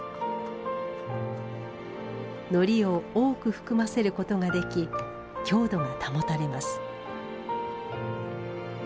糊を多く含ませることができ強度が保たれます。